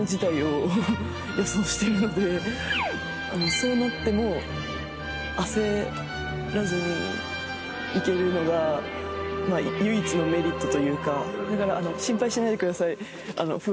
そうなっても焦らずにいけるのが唯一のメリットというか心配しないでください。